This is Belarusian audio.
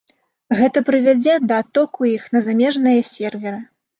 Гэта прывядзе да адтоку іх на замежныя серверы.